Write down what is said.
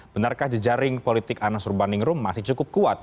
benarkah jejaring politik anas urbaningrum masih cukup kuat